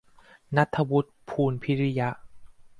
นัฐวุฒิ พูนพิริยะ